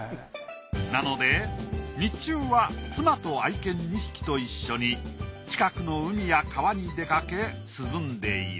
なので日中は妻と愛犬２匹と一緒に近くの海や川に出かけ涼んでいる